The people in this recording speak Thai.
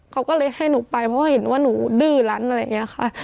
เขาก็เลยให้หนูไปเพราะเห็นว่าหนูดื้อแหละอะไรไงค่ะ